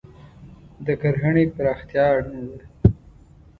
د کرهنې پراختیا اړینه ده.